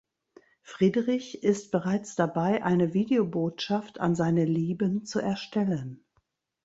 Friedrich ist bereits dabei eine Videobotschaft an seine Lieben zu erstellen.